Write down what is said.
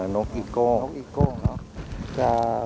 นกอีโก้ง